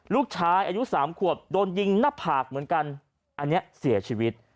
ลูกชายอายุสามขวบโดนยิงหน้าผากเหมือนกันอันนี้เสียชีวิต